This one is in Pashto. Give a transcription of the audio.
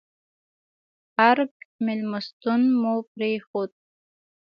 ارګ مېلمستون مو پرېښود.